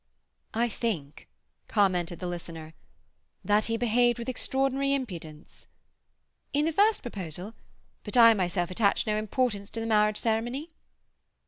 "I think," commented the listener, "that he behaved with extraordinary impudence." "In the first proposal? But I myself attach no importance to the marriage ceremony."